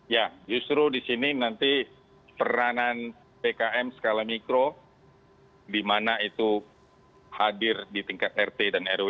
ya justru di sini nanti peranan pkm skala mikro di mana itu hadir di tingkat rt dan rw